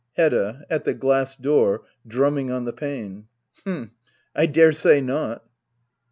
Hedoa [At the glass door, drumming on the pane,^ H'm , I daresay not.